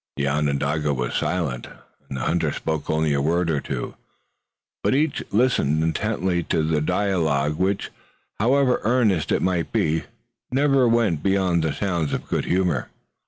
The Onondaga was silent, and the hunter spoke only a word or two, but each listened intently to the dialogue, which, however earnest it might be, never went beyond the bounds of good humor.